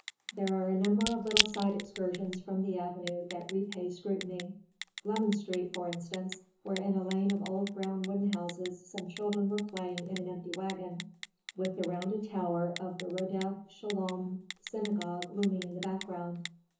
There are a number of little side excursions from the avenue that repay scrutiny. Lemon Street, for instance, where in a lane of old brown wooden houses some children were playing in an empty wagon, with the rounded tower of the Rodef Shalom synagogue looming in the background.